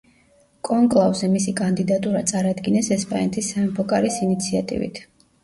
კონკლავზე მისი კანდიდატურა წარადგინეს ესპანეთის სამეფო კარის ინიციატივით.